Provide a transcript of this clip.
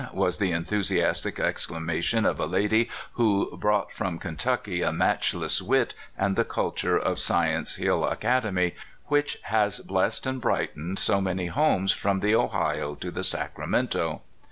was the enthusiastic exclamation of a lady who brought from Kentucky a matchless wit and the culture of Science Hill Academy, which has blessed and brightened so many homes from the Ohio to the Sacramento.